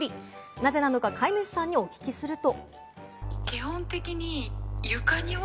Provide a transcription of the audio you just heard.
なぜなのか、飼い主さんにお聞きすると。